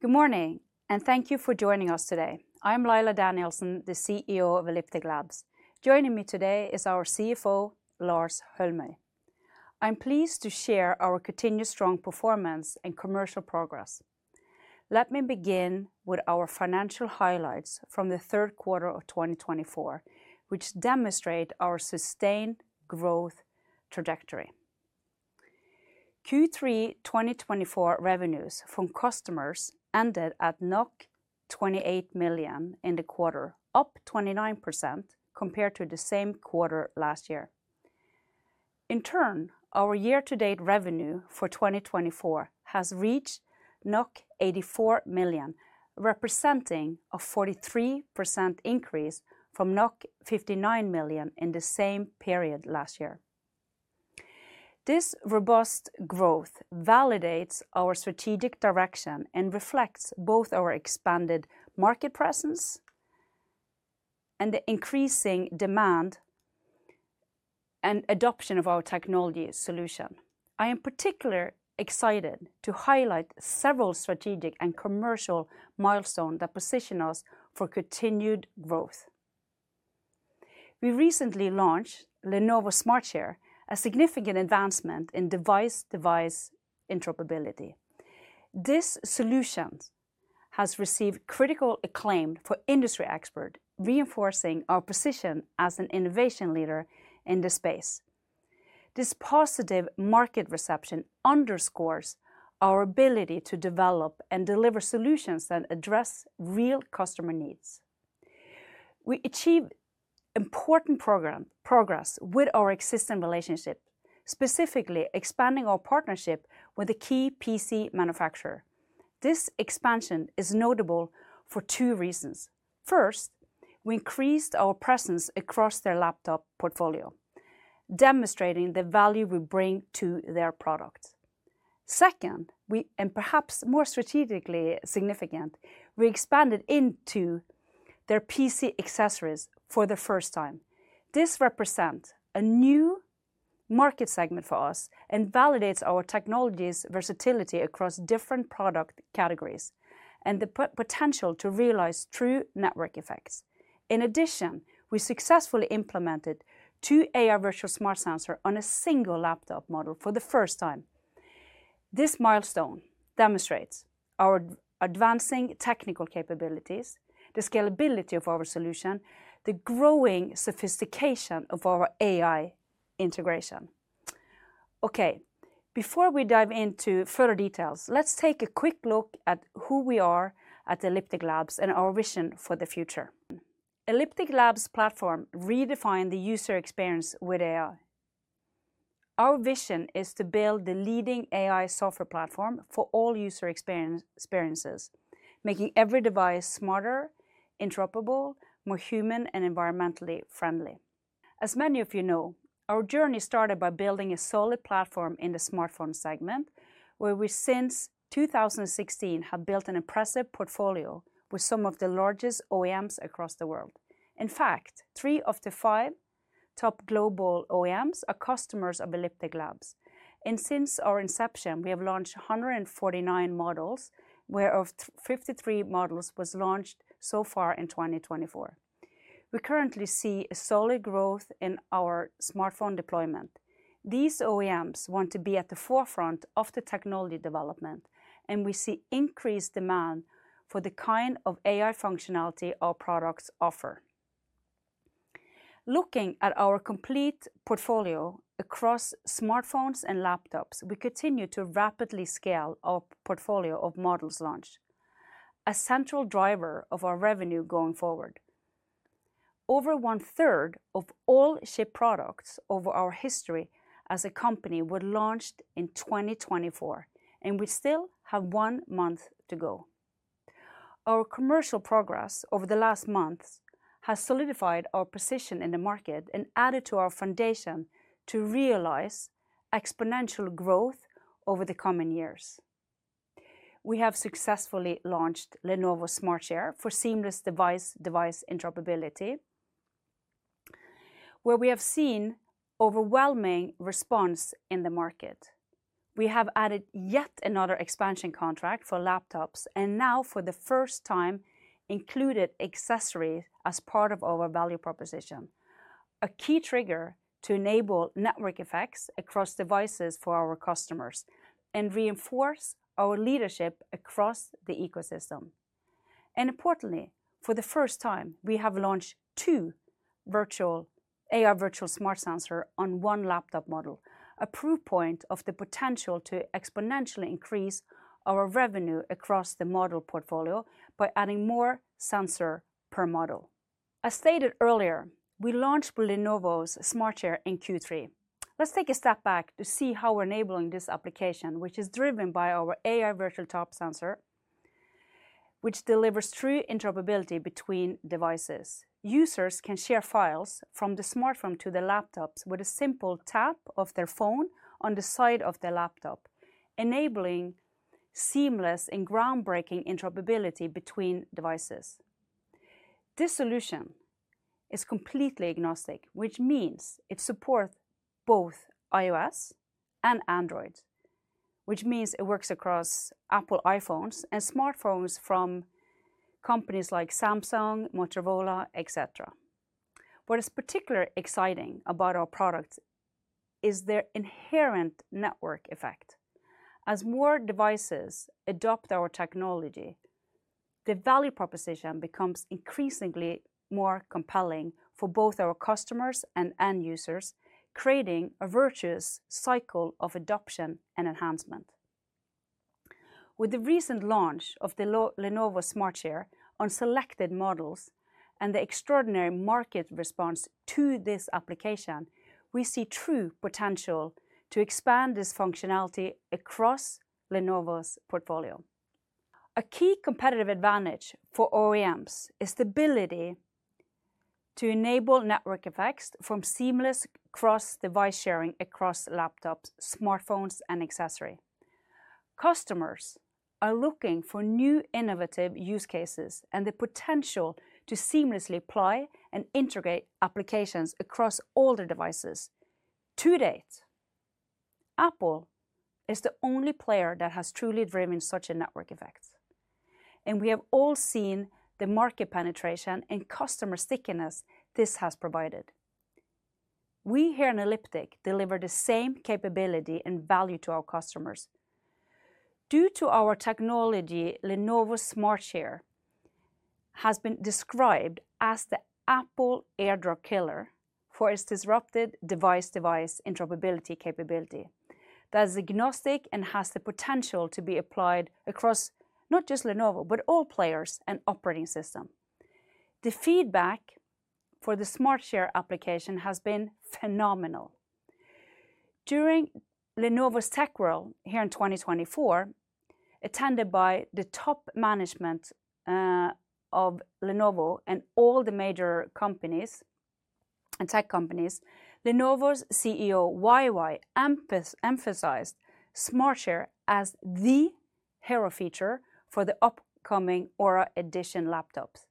Good morning, and thank you for joining us today. I'm Laila Danielsen, the CEO of Elliptic Labs. Joining me today is our CFO, Lars Holmøy. I'm pleased to share our continued strong performance and commercial progress. Let me begin with our financial highlights from the third quarter of 2024, which demonstrate our sustained growth trajectory. Q3 2024 revenues from customers ended at 28 million in the quarter, up 29% compared to the same quarter last year. In turn, our year-to-date revenue for 2024 has reached 84 million, representing a 43% increase from 59 million in the same period last year. This robust growth validates our strategic direction and reflects both our expanded market presence and the increasing demand and adoption of our technology solution. I am particularly excited to highlight several strategic and commercial milestones that position us for continued growth. We recently launched Lenovo Smart Share, a significant advancement in device-to-device interoperability. This solution has received critical acclaim from industry experts, reinforcing our position as an innovation leader in the space. This positive market reception underscores our ability to develop and deliver solutions that address real customer needs. We achieved important progress with our existing relationship, specifically expanding our partnership with a key PC manufacturer. This expansion is notable for two reasons. First, we increased our presence across their laptop portfolio, demonstrating the value we bring to their products. Second, and perhaps more strategically significant, we expanded into their PC accessories for the first time. This represents a new market segment for us and validates our technology's versatility across different product categories and the potential to realize true network effects. In addition, we successfully implemented two AI Virtual Smart Sensors on a single laptop model for the first time. This milestone demonstrates our advancing technical capabilities, the scalability of our solution, and the growing sophistication of our AI integration. Okay, before we dive into further details, let's take a quick look at who we are at Elliptic Labs and our vision for the future. Elliptic Labs' platform redefined the user experience with AI. Our vision is to build the leading AI software platform for all user experiences, making every device smarter, interoperable, more human, and environmentally friendly. As many of you know, our journey started by building a solid platform in the smartphone segment, where we since 2016 have built an impressive portfolio with some of the largest OEMs across the world. In fact, three of the five top global OEMs are customers of Elliptic Labs, and since our inception, we have launched 149 models, whereof 53 models were launched so far in 2024. We currently see solid growth in our smartphone deployment. These OEMs want to be at the forefront of the technology development, and we see increased demand for the kind of AI functionality our products offer. Looking at our complete portfolio across smartphones and laptops, we continue to rapidly scale our portfolio of models launched, a central driver of our revenue going forward. Over 1/3 of all shipped products over our history as a company were launched in 2024, and we still have one month to go. Our commercial progress over the last months has solidified our position in the market and added to our foundation to realize exponential growth over the coming years. We have successfully launched Lenovo Smart Share for seamless device-to-device interoperability, where we have seen overwhelming response in the market. We have added yet another expansion contract for laptops and now, for the first time, included accessories as part of our value proposition, a key trigger to enable network effects across devices for our customers and reinforce our leadership across the ecosystem, and importantly, for the first time, we have launched two AI Virtual Smart Sensors on one laptop model, a proof point of the potential to exponentially increase our revenue across the model portfolio by adding more sensors per model. As stated earlier, we launched Lenovo's Smart Share in Q3. Let's take a step back to see how we're enabling this application, which is driven by our AI Virtual Tap Sensor, which delivers true interoperability between devices. Users can share files from the smartphone to the laptops with a simple tap of their phone on the side of their laptop, enabling seamless and groundbreaking interoperability between devices. This solution is completely agnostic, which means it supports both iOS and Android, which means it works across Apple iPhones and smartphones from companies like Samsung, Motorola, etc. What is particularly exciting about our product is their inherent network effect. As more devices adopt our technology, the value proposition becomes increasingly more compelling for both our customers and end users, creating a virtuous cycle of adoption and enhancement. With the recent launch of the Lenovo Smart Share on selected models and the extraordinary market response to this application, we see true potential to expand this functionality across Lenovo's portfolio. A key competitive advantage for OEMs is the ability to enable network effects from seamless cross-device sharing across laptops, smartphones, and accessories. Customers are looking for new innovative use cases and the potential to seamlessly apply and integrate applications across all their devices. To date, Apple is the only player that has truly driven such a network effect, and we have all seen the market penetration and customer stickiness this has provided. We here in Elliptic Labs deliver the same capability and value to our customers. Due to our technology, Lenovo Smart Share has been described as the Apple AirDrop killer for its disruptive device-to-device interoperability capability that is agnostic and has the potential to be applied across not just Lenovo, but all players and operating systems. The feedback for the Smart Share application has been phenomenal. During Lenovo's Tech World here in 2024, attended by the top management of Lenovo and all the major tech companies, Lenovo's CEO, YY, emphasized Smart Share as the hero feature for the upcoming Aura Edition laptops.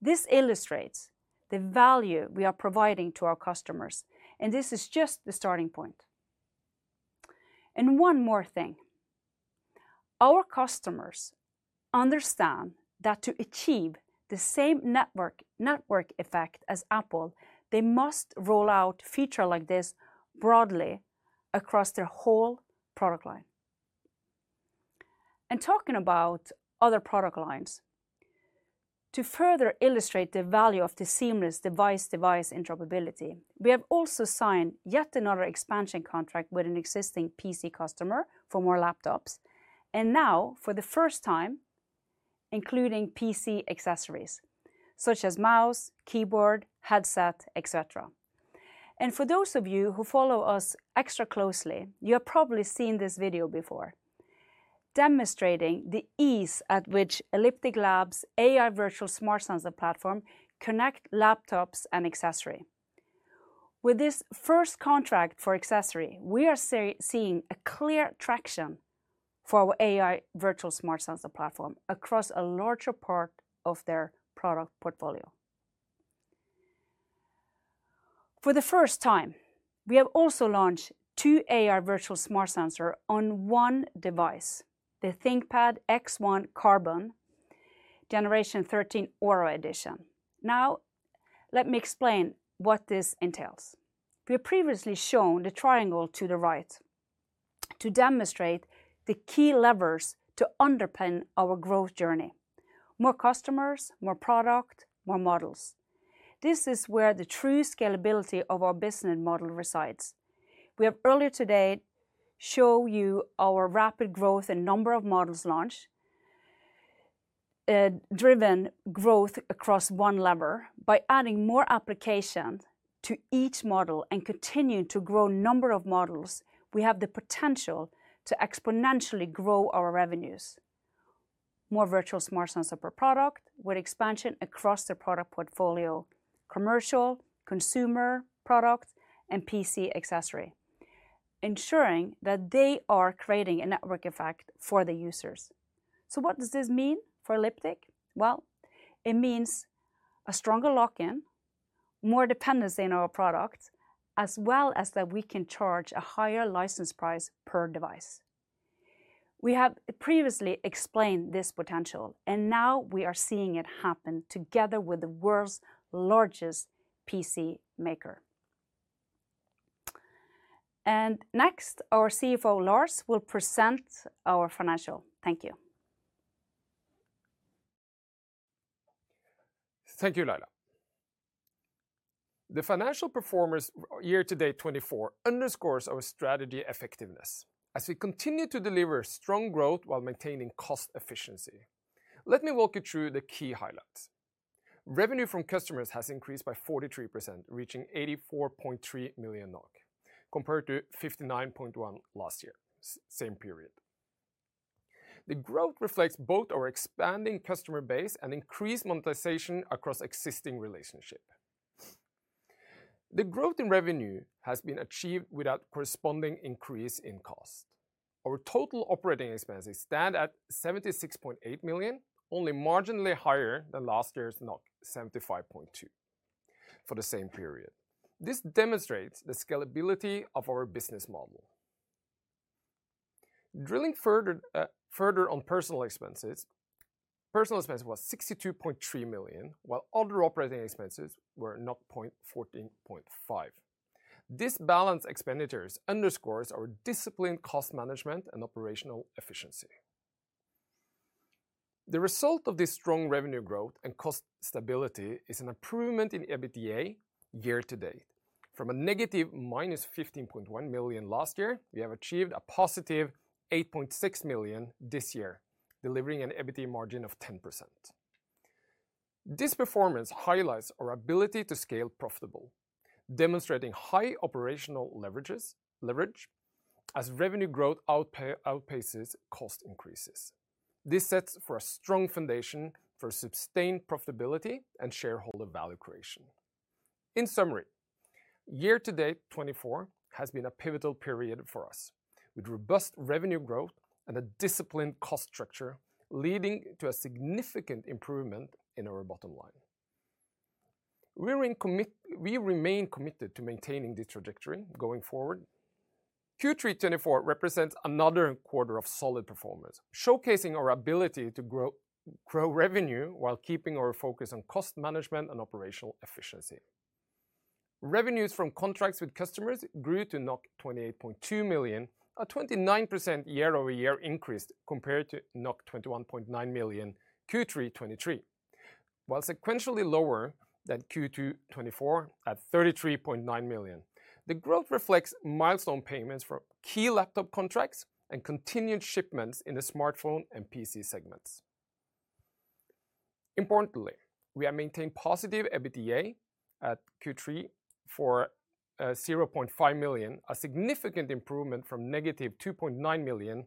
This illustrates the value we are providing to our customers, and this is just the starting point. And one more thing. Our customers understand that to achieve the same network effect as Apple, they must roll out features like this broadly across their whole product line, and talking about other product lines, to further illustrate the value of the seamless device-to-device interoperability, we have also signed yet another expansion contract with an existing PC customer for more laptops, and now, for the first time, including PC accessories such as mouse, keyboard, headset, etc., and for those of you who follow us extra closely, you have probably seen this video before, demonstrating the ease at which Elliptic Labs' AI Virtual Smart Sensor Platform connects laptops and accessories. With this first contract for accessories, we are seeing clear traction for our AI Virtual Smart Sensor Platform across a larger part of their product portfolio. For the first time, we have also launched two AI Virtual Smart Sensors on one device, the ThinkPad X1 Carbon Gen 13 Aura Edition. Now, let me explain what this entails. We have previously shown the triangle to the right to demonstrate the key levers to underpin our growth journey: more customers, more product, more models. This is where the true scalability of our business model resides. We have earlier today shown you our rapid growth and number of models launched, driven growth across one lever. By adding more applications to each model and continuing to grow the number of models, we have the potential to exponentially grow our revenues: more Virtual Smart Sensors per product with expansion across the product portfolio, commercial, consumer products, and PC accessories, ensuring that they are creating a network effect for the users. So what does this mean for Elliptic? It means a stronger lock-in, more dependency on our products, as well as that we can charge a higher license price per device. We have previously explained this potential, and now we are seeing it happen together with the world's largest PC maker. Next, our CFO, Lars, will present our financials. Thank you. Thank you, Laila. The financial performance year-to-date 2024 underscores our strategy effectiveness as we continue to deliver strong growth while maintaining cost efficiency. Let me walk you through the key highlights. Revenue from customers has increased by 43%, reaching 84.3 million NOK compared to 59.1 million NOK last year, same period. The growth reflects both our expanding customer base and increased monetization across existing relationships. The growth in revenue has been achieved without corresponding increase in cost. Our total operating expenses stand at 76.8 million NOK, only marginally higher than last year's 75.2 million NOK, for the same period. This demonstrates the scalability of our business model. Drilling further on personnel expenses, personnel expenses were 62.3 million, while other operating expenses were 14.5 million. This balanced expenditure underscores our disciplined cost management and operational efficiency. The result of this strong revenue growth and cost stability is an improvement in EBITDA year-to-date. From a negative minus 15.1 million last year, we have achieved a positive 8.6 million this year, delivering an EBITDA margin of 10%. This performance highlights our ability to scale profitable, demonstrating high operational leverage as revenue growth outpaces cost increases. This sets for a strong foundation for sustained profitability and shareholder value creation. In summary, year-to-date 2024 has been a pivotal period for us, with robust revenue growth and a disciplined cost structure leading to a significant improvement in our bottom line. We remain committed to maintaining this trajectory going forward. Q3 2024 represents another quarter of solid performance, showcasing our ability to grow revenue while keeping our focus on cost management and operational efficiency. Revenues from contracts with customers grew to 28.2 million, a 29% year-over-year increase compared to 21.9 million Q3 2023, while sequentially lower than Q2 2024 at 33.9 million. The growth reflects milestone payments for key laptop contracts and continued shipments in the smartphone and PC segments. Importantly, we have maintained positive EBITDA at Q3 for 0.5 million, a significant improvement from negative 2.9 million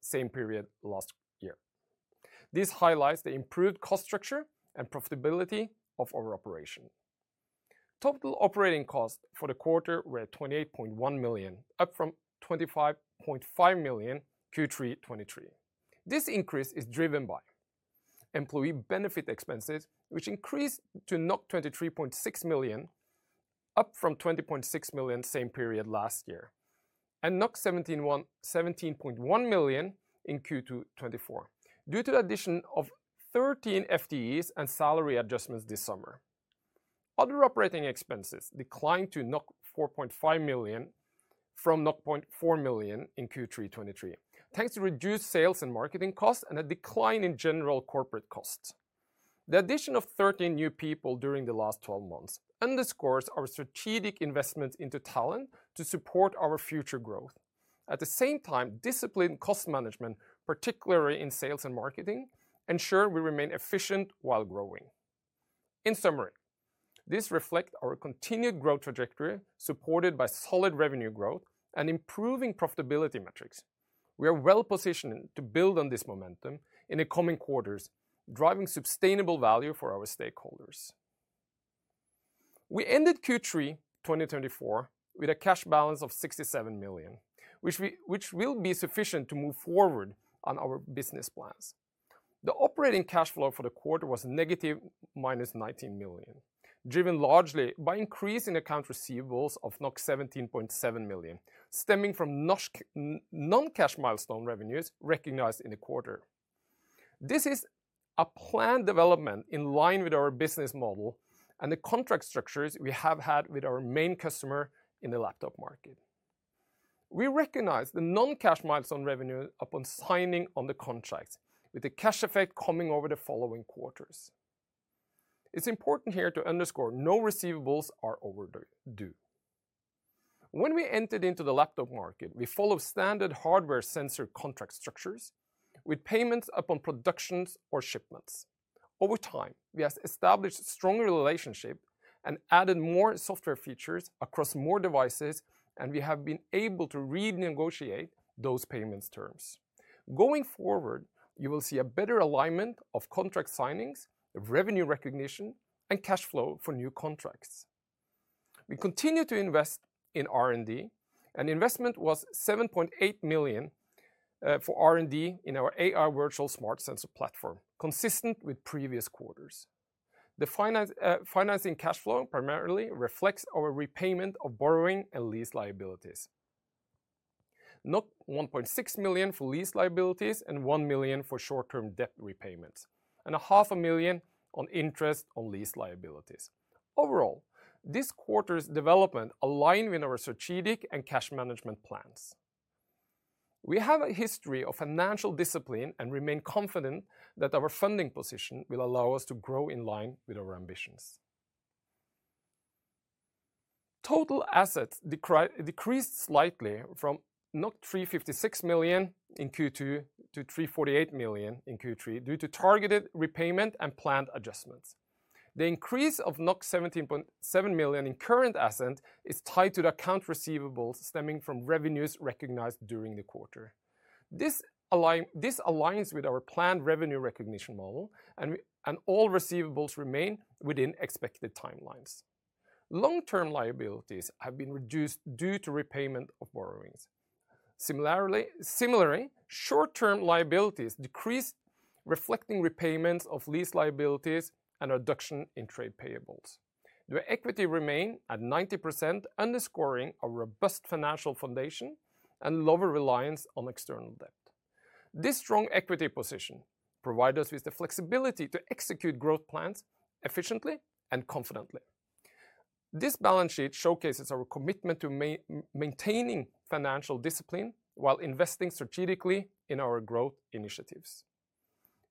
same period last year. This highlights the improved cost structure and profitability of our operation. Total operating costs for the quarter were 28.1 million, up from 25.5 million Q3 2023. This increase is driven by employee benefit expenses, which increased to 23.6 million, up from 20.6 million same period last year, and 17.1 million in Q2 2024 due to the addition of 13 FTEs and salary adjustments this summer. Other operating expenses declined to 4.5 million from 0.4 million in Q3 2023, thanks to reduced sales and marketing costs and a decline in general corporate costs. The addition of 13 new people during the last 12 months underscores our strategic investment into talent to support our future growth. At the same time, disciplined cost management, particularly in sales and marketing, ensures we remain efficient while growing. In summary, this reflects our continued growth trajectory supported by solid revenue growth and improving profitability metrics. We are well positioned to build on this momentum in the coming quarters, driving sustainable value for our stakeholders. We ended Q3 2024 with a cash balance of 67 million, which will be sufficient to move forward on our business plans. The operating cash flow for the quarter was -19 million, driven largely by increasing account receivables of 17.7 million stemming from non-cash milestone revenues recognized in the quarter. This is a planned development in line with our business model and the contract structures we have had with our main customer in the laptop market. We recognize the non-cash milestone revenue upon signing on the contract, with the cash effect coming over the following quarters. It's important here to underscore no receivables are overdue. When we entered into the laptop market, we followed standard hardware sensor contract structures with payments upon productions or shipments. Over time, we have established a strong relationship and added more software features across more devices, and we have been able to renegotiate those payment terms. Going forward, you will see a better alignment of contract signings, revenue recognition, and cash flow for new contracts. We continue to invest in R&D, and investment was 7.8 million for R&D in our AI Virtual Smart Sensor Platform, consistent with previous quarters. The financing cash flow primarily reflects our repayment of borrowing and lease liabilities: 1.6 million for lease liabilities and 1 million for short-term debt repayments, and 0.5 million on interest on lease liabilities. Overall, this quarter's development aligned with our strategic and cash management plans. We have a history of financial discipline and remain confident that our funding position will allow us to grow in line with our ambitions. Total assets decreased slightly from 356 million in Q2 to 348 million in Q3 due to targeted repayment and planned adjustments. The increase of 17.7 million in current assets is tied to the accounts receivable stemming from revenues recognized during the quarter. This aligns with our planned revenue recognition model, and all receivables remain within expected timelines. Long-term liabilities have been reduced due to repayment of borrowings. Similarly, short-term liabilities decreased, reflecting repayments of lease liabilities and a reduction in trade payables. The equity remained at 90%, underscoring a robust financial foundation and lower reliance on external debt. This strong equity position provided us with the flexibility to execute growth plans efficiently and confidently. This balance sheet showcases our commitment to maintaining financial discipline while investing strategically in our growth initiatives.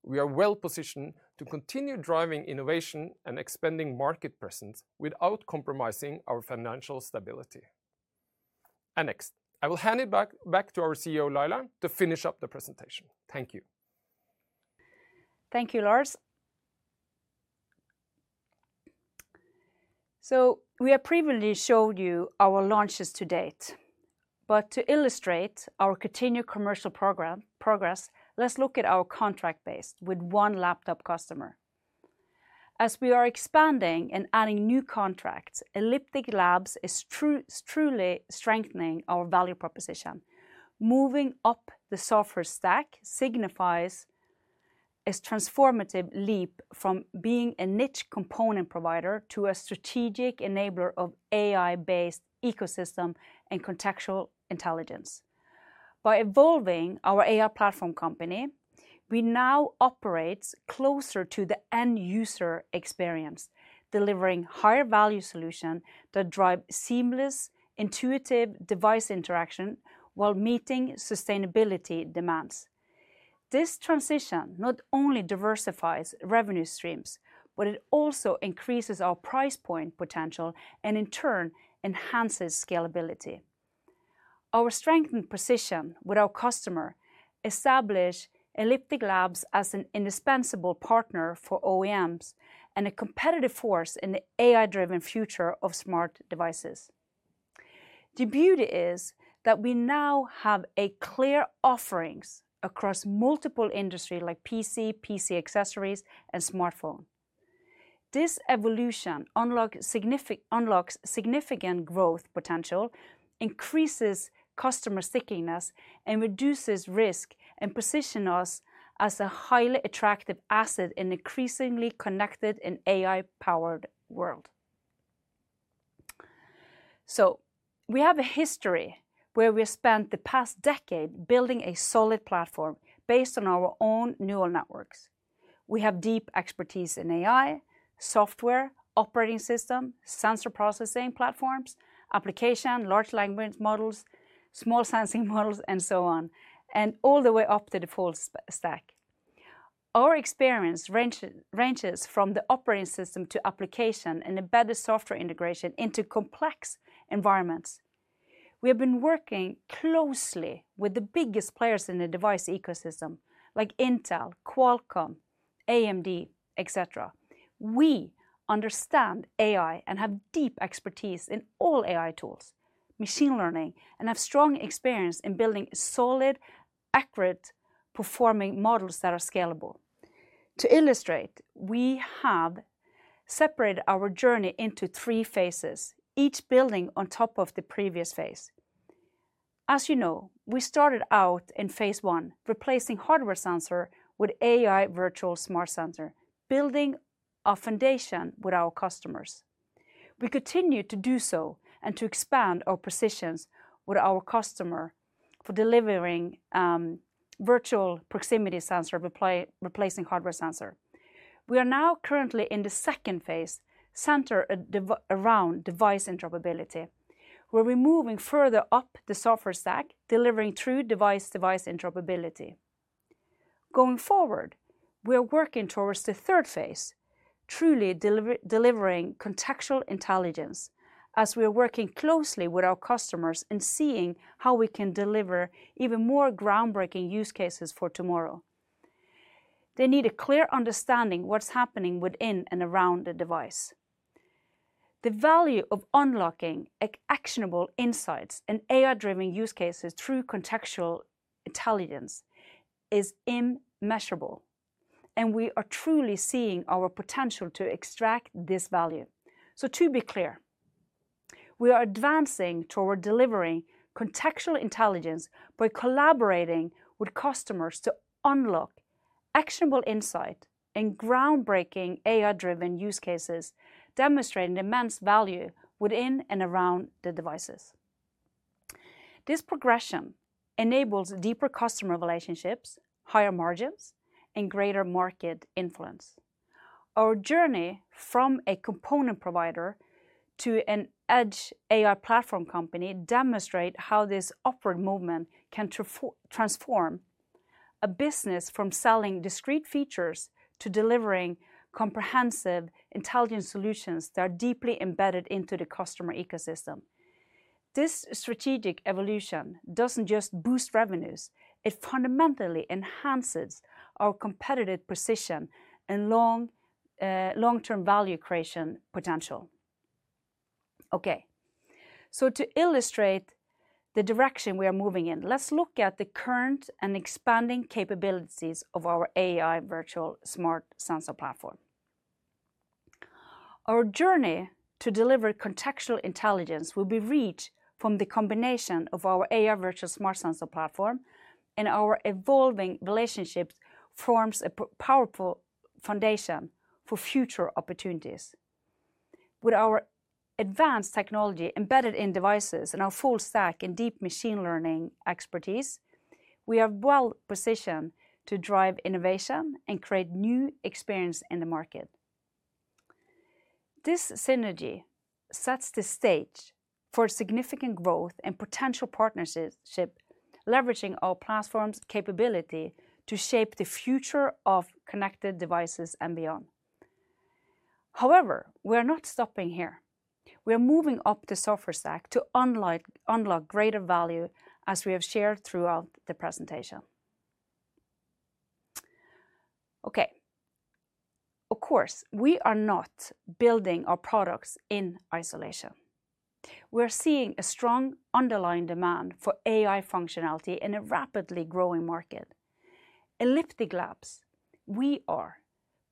We are well positioned to continue driving innovation and expanding market presence without compromising our financial stability. Next, I will hand it back to our CEO, Laila, to finish up the presentation. Thank you. Thank you, Lars. We have previously showed you our launches to date. To illustrate our continued commercial progress, let's look at our contract base with one laptop customer. As we are expanding and adding new contracts, Elliptic Labs is truly strengthening our value proposition. Moving up the software stack signifies a transformative leap from being a niche component provider to a strategic enabler of AI-based ecosystem and contextual intelligence. By evolving our AI platform company, we now operate closer to the end user experience, delivering higher value solutions that drive seamless, intuitive device interaction while meeting sustainability demands. This transition not only diversifies revenue streams, but it also increases our price point potential and, in turn, enhances scalability. Our strengthened position with our customer establishes Elliptic Labs as an indispensable partner for OEMs and a competitive force in the AI-driven future of smart devices. The beauty is that we now have clear offerings across multiple industries like PC, PC accessories, and smartphones. This evolution unlocks significant growth potential, increases customer stickiness, and reduces risk, positioning us as a highly attractive asset in an increasingly connected and AI-powered world. So we have a history where we have spent the past decade building a solid platform based on our own neural networks. We have deep expertise in AI, software, operating system, sensor processing platforms, application, large language models, small sensing models, and so on, and all the way up to the full stack. Our experience ranges from the operating system to application and embedded software integration into complex environments. We have been working closely with the biggest players in the device ecosystem, like Intel, Qualcomm, AMD, etc. We understand AI and have deep expertise in all AI tools, machine learning, and have strong experience in building solid, accurate-performing models that are scalable. To illustrate, we have separated our journey into three phases, each building on top of the previous phase. As you know, we started out in phase one, replacing hardware sensors with AI Virtual Smart Sensors, building a foundation with our customers. We continue to do so and to expand our positions with our customers for delivering virtual proximity sensors replacing hardware sensors. We are now currently in the second phase, centered around device interoperability. We're moving further up the software stack, delivering true device-to-device interoperability. Going forward, we are working towards the third phase, truly delivering contextual intelligence as we are working closely with our customers and seeing how we can deliver even more groundbreaking use cases for tomorrow. They need a clear understanding of what's happening within and around the device. The value of unlocking actionable insights and AI-driven use cases through contextual intelligence is immeasurable, and we are truly seeing our potential to extract this value. To be clear, we are advancing toward delivering contextual intelligence by collaborating with customers to unlock actionable insights and groundbreaking AI-driven use cases, demonstrating immense value within and around the devices. This progression enables deeper customer relationships, higher margins, and greater market influence. Our journey from a component provider to an edge AI platform company demonstrates how this upward movement can transform a business from selling discrete features to delivering comprehensive intelligence solutions that are deeply embedded into the customer ecosystem. This strategic evolution doesn't just boost revenues. It fundamentally enhances our competitive position and long-term value creation potential. Okay, so to illustrate the direction we are moving in, let's look at the current and expanding capabilities of our AI Virtual Smart Sensor Platform. Our journey to deliver contextual intelligence will be reached from the combination of our AI Virtual Smart Sensor platform and our evolving relationships that form a powerful foundation for future opportunities. With our advanced technology embedded in devices and our full stack and deep machine learning expertise, we are well positioned to drive innovation and create new experiences in the market. This synergy sets the stage for significant growth and potential partnerships, leveraging our platform's capability to shape the future of connected devices and beyond. However, we are not stopping here. We are moving up the software stack to unlock greater value, as we have shared throughout the presentation. Okay, of course, we are not building our products in isolation. We are seeing a strong underlying demand for AI functionality in a rapidly growing market. Elliptic Labs, we are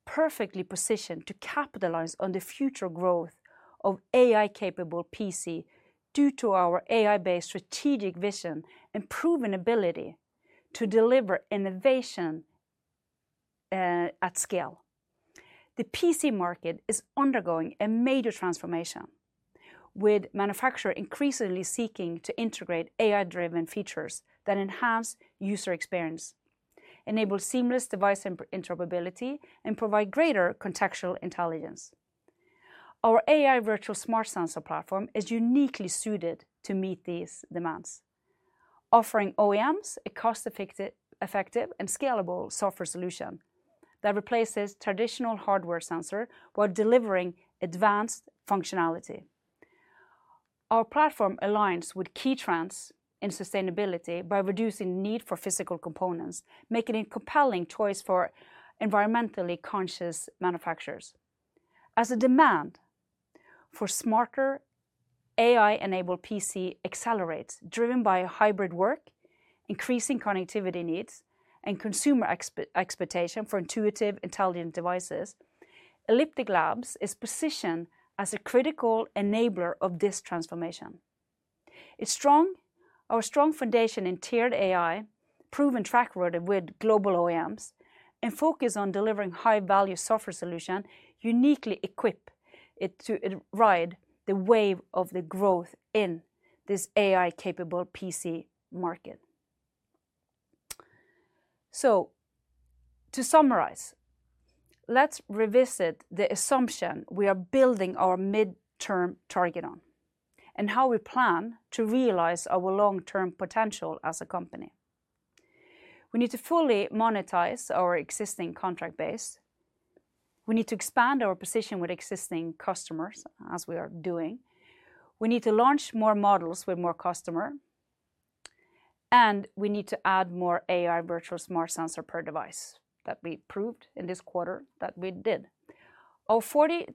perfectly positioned to capitalize on the future growth of AI-capable PCs due to our AI-based strategic vision and proven ability to deliver innovation at scale. The PC market is undergoing a major transformation, with manufacturers increasingly seeking to integrate AI-driven features that enhance user experience, enable seamless device interoperability, and provide greater contextual intelligence. Our AI Virtual Smart Sensor platform is uniquely suited to meet these demands, offering OEMs a cost-effective and scalable software solution that replaces traditional hardware sensors while delivering advanced functionality. Our platform aligns with key trends in sustainability by reducing the need for physical components, making it a compelling choice for environmentally conscious manufacturers. As the demand for smarter AI-enabled PCs accelerates, driven by hybrid work, increasing connectivity needs, and consumer expectations for intuitive intelligent devices, Elliptic Labs is positioned as a critical enabler of this transformation. Our strong foundation in tiered AI, proven track record with global OEMs, and focus on delivering high-value software solutions uniquely equipped to ride the wave of the growth in this AI-capable PC market. So, to summarize, let's revisit the assumption we are building our midterm target on and how we plan to realize our long-term potential as a company. We need to fully monetize our existing contract base. We need to expand our position with existing customers, as we are doing. We need to launch more models with more customers, and we need to add more AI Virtual Smart Sensors per device that we proved in this quarter that we did. Our 43%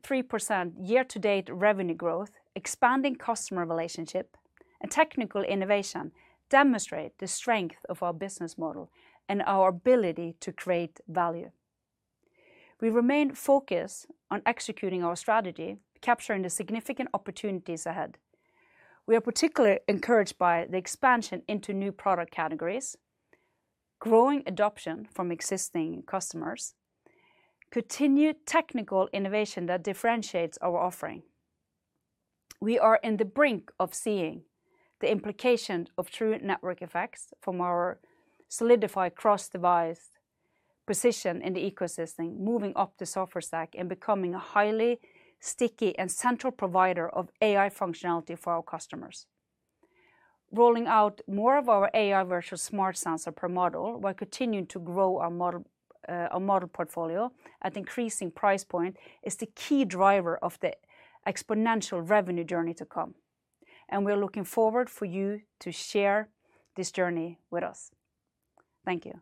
year-to-date revenue growth, expanding customer relationships, and technical innovation demonstrate the strength of our business model and our ability to create value. We remain focused on executing our strategy, capturing the significant opportunities ahead. We are particularly encouraged by the expansion into new product categories, growing adoption from existing customers, and continued technical innovation that differentiates our offering. We are on the brink of seeing the implications of true network effects from our solidified cross-device position in the ecosystem, moving up the software stack and becoming a highly sticky and central provider of AI functionality for our customers. Rolling out more of our AI Virtual Smart Sensors per model while continuing to grow our model portfolio at an increasing price point is the key driver of the exponential revenue journey to come, and we are looking forward to you sharing this journey with us. Thank you.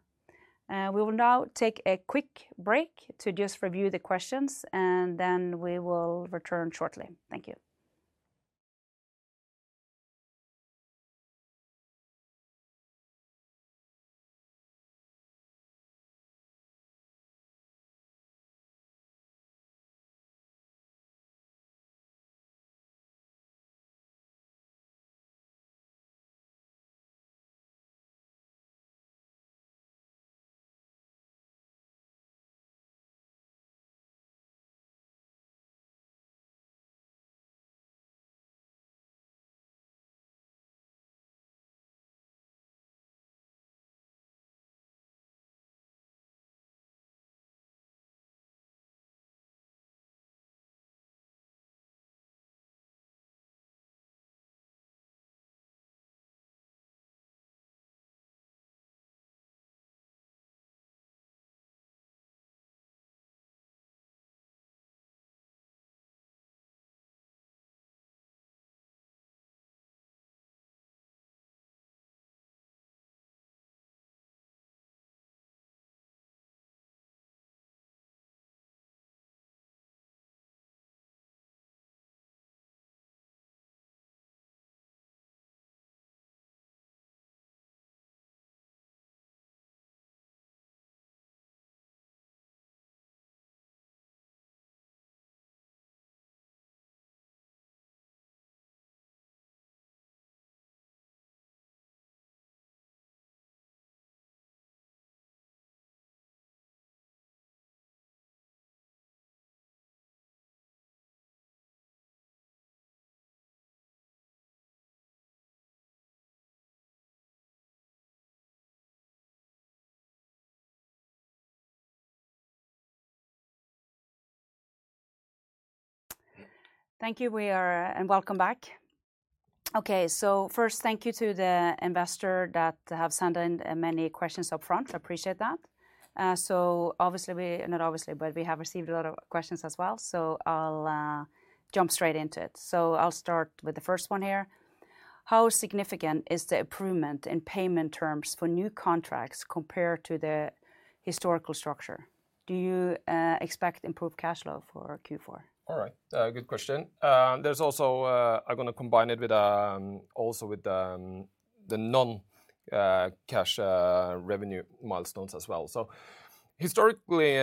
We will now take a quick break to just review the questions, and then we will return shortly. Thank you. Thank you, and welcome back. Okay, so first, thank you to the investors that have sent in many questions upfront. I appreciate that, so obviously, we, not obviously, but we have received a lot of questions as well. So I'll jump straight into it. So I'll start with the first one here. How significant is the improvement in payment terms for new contracts compared to the historical structure? Do you expect improved cash flow for Q4? All right, good question. There's also, I'm going to combine it also with the non-cash revenue milestones as well. So historically,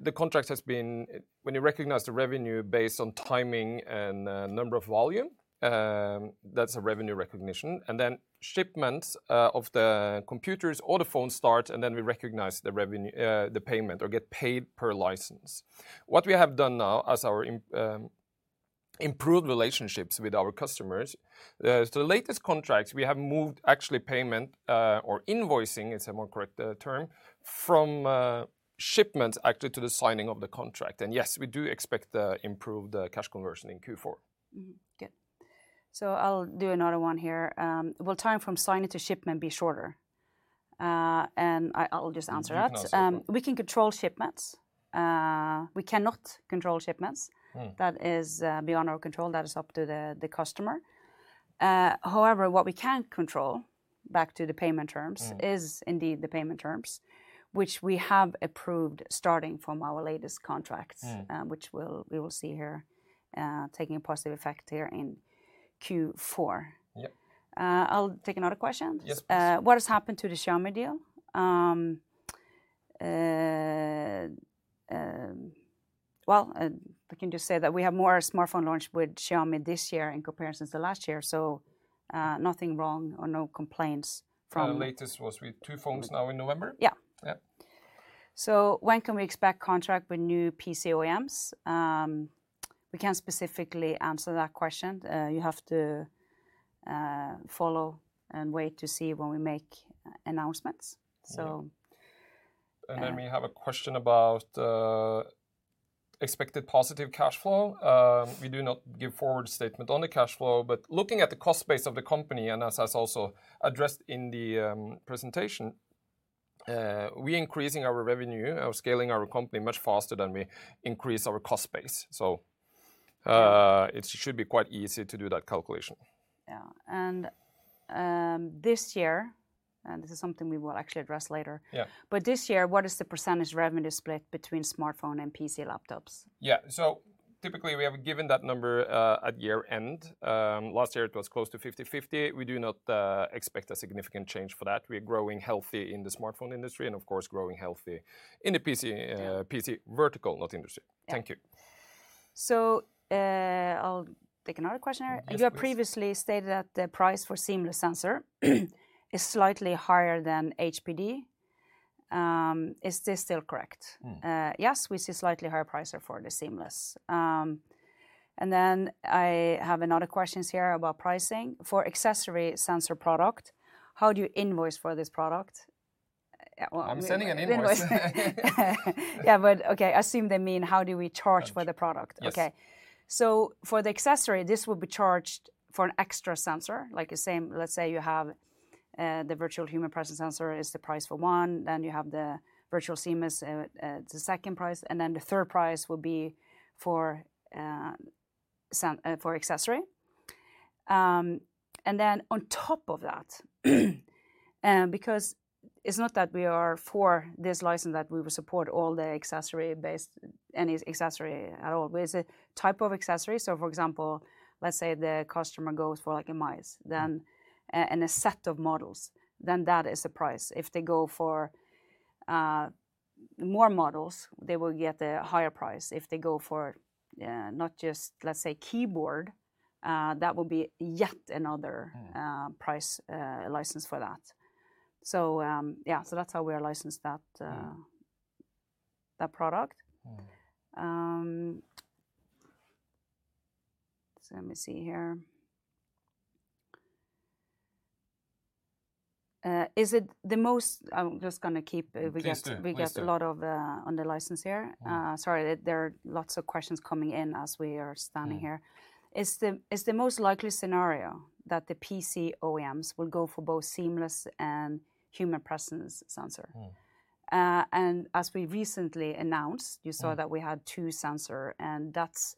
the contract has been, when you recognize the revenue based on timing and number of volume, that's a revenue recognition. And then shipments of the computers or the phones start, and then we recognize the payment or get paid per license. What we have done now, as our improved relationships with our customers, is the latest contracts we have moved actually payment or invoicing, if I'm correct, the term from shipments actually to the signing of the contract. And yes, we do expect the improved cash conversion in Q4. Good. So I'll do another one here. Will time from signing to shipment be shorter? And I'll just answer that. We can control shipments. We cannot control shipments. That is beyond our control. That is up to the customer. However, what we can control, back to the payment terms, is indeed the payment terms, which we have approved starting from our latest contracts, which we will see here taking a positive effect here in Q4. I'll take another question. What has happened to the Xiaomi deal? Well, we can just say that we have more smartphone launches with Xiaomi this year in comparison to last year. So nothing wrong or no complaints from— The latest was with two phones now in November? Yeah. Yeah. So when can we expect contracts with new PC OEMs? We can't specifically answer that question. You have to follow and wait to see when we make announcements. So. And then we have a question about expected positive cash flow. We do not give forward statements on the cash flow, but looking at the cost base of the company, and as I also addressed in the presentation, we are increasing our revenue, scaling our company much faster than we increase our cost base, so it should be quite easy to do that calculation. Yeah, and this year, and this is something we will actually address later, but this year, what is the percentage revenue split between smartphone and PC laptops? Yeah, so typically, we have given that number at year-end. Last year, it was close to 50%-50%. We do not expect a significant change for that. We are growing healthy in the smartphone industry and, of course, growing healthy in the PC vertical, not industry. Thank you. So I'll take another question here. You have previously stated that the price for a seamless sensor is slightly higher than HPD. Is this still correct? Yes, we see a slightly higher price for the seamless. And then I have another question here about pricing. For accessory sensor product, how do you invoice for this product? I'm sending an invoice. Yeah, but okay, I assume they mean how do we charge for the product? Yes. Okay. So for the accessory, this will be charged for an extra sensor. Like the same, let's say you have the Virtual Human Presence Sensor, it's the price for one. Then you have the Virtual Seamless, it's the second price. And then the 3rd price will be for accessory. And then on top of that, because it's not that we are for this license that we will support all the accessory-based any accessory at all. It's a type of accessory. So for example, let's say the customer goes for like a mouse, then a set of models, then that is the price. If they go for more models, they will get a higher price. If they go for not just, let's say, keyboard, that will be yet another price license for that. So yeah, so that's how we are licensing that product. So let me see here. Is it the most likely scenario? I'm just going to keep going. We get a lot of questions on licensing here. Sorry, there are lots of questions coming in as we are standing here. Is the most likely scenario that the PC OEMs will go for both seamless and human presence sensor? And as we recently announced, you saw that we had two sensors, and that's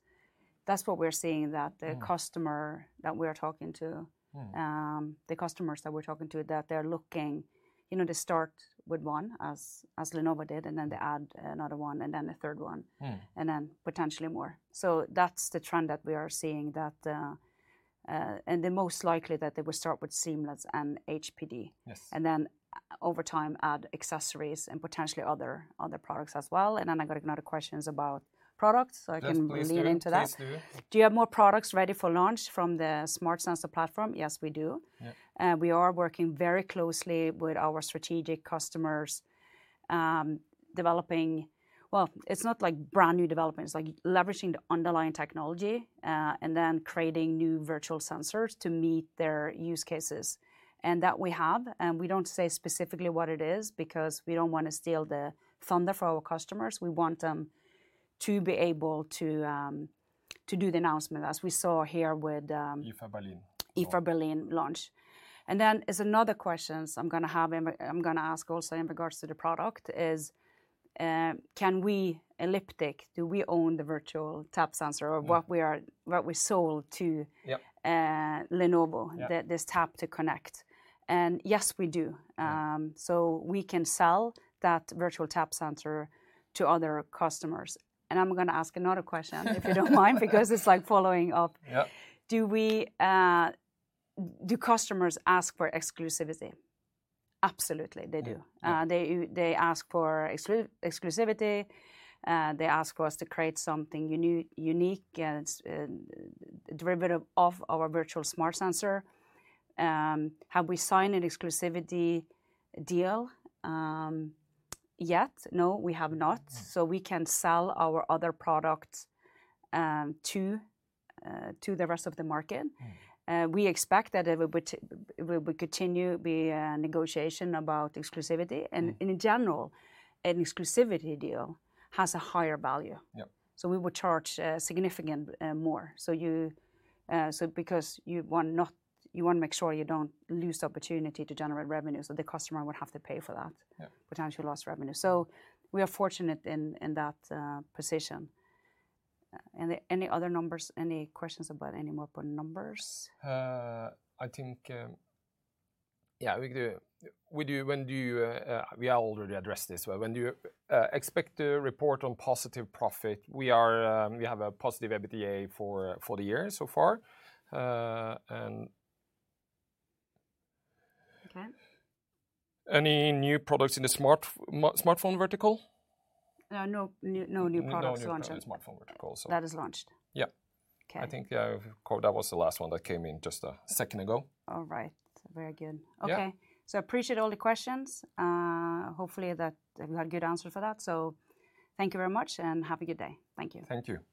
what we're seeing, that the customer that we are talking to, the customers that we're talking to, that they're looking to start with one, as Lenovo did, and then they add another one, and then a third one, and then potentially more. So that's the trend that we are seeing, and the most likely that they will start with seamless and HPD. And then over time, add accessories and potentially other products as well. And then I got another question about products, so I can lead into that. Do you have more products ready for launch from the Smart Sensor Platform? Yes, we do. We are working very closely with our strategic customers developing, well, it's not like brand new development. It's like leveraging the underlying technology and then creating new virtual sensors to meet their use cases. And that we have, and we don't say specifically what it is because we don't want to steal the thunder from our customers. We want them to be able to do the announcement, as we saw here with Honor launch. And then it's another question I'm going to ask also in regards to the product is, can we Elliptic, do we own the Virtual Tap Sensor or what we sold to Lenovo, this tap to connect? And yes, we do. So we can sell that Virtual Tap Sensor to other customers. And I'm going to ask another question, if you don't mind, because it's like following up. Do customers ask for exclusivity? Absolutely, they do. They ask for exclusivity. They ask for us to create something unique, derivative of our Virtual Smart Sensor. Have we signed an exclusivity deal yet? No, we have not. So we can sell our other products to the rest of the market. We expect that there will continue to be negotiations about exclusivity, and in general, an exclusivity deal has a higher value. So we will charge significantly more. So because you want to make sure you don't lose opportunity to generate revenue, so the customer would have to pay for that potential lost revenue. So we are fortunate in that position. Any other numbers? Any questions about any more important numbers? I think, yeah, when do you—we have already addressed this. When do you expect to report on positive profit? We have a positive EBITDA for the year so far, and any new products in the smartphone vertical? No, no new products launched. That is launched. Yeah. I think that was the last one that came in just a second ago. All right. Very good. Okay. So I appreciate all the questions. Hopefully, we got a good answer for that. So thank you very much and have a good day. Thank you. Thank you.